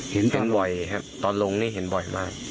เห็นเป็นบ่อยครับตอนลงนี่เห็นบ่อยมาก